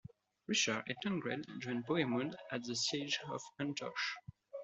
Richard and Tancred joined Bohemund at the siege of Antioch.